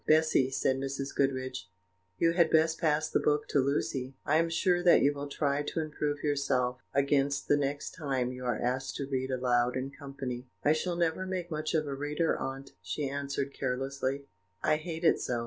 "Bessy," said Mrs. Goodriche, "you had best pass the book to Lucy; I am sure that you will try to improve yourself against the next time you are asked to read aloud in company." "I shall never make much of reading, aunt," she answered carelessly; "I hate it so."